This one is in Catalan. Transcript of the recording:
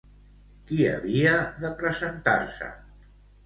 Qui havia de presentar-se?